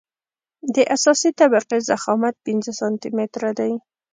د اساسي طبقې ضخامت پنځه سانتي متره دی